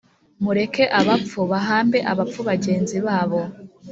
mureke abapfu bahambe abapfu bagenzi babo